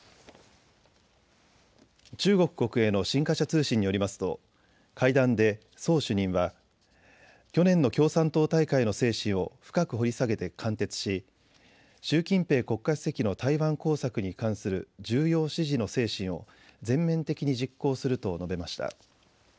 中国国営の新華社通信によりますと会談で宋主任は去年の共産党大会の精神を深く掘り下げて貫徹し習近平国家主席の台湾工作に関する重要指示の精神を全面的に実行すると述べました。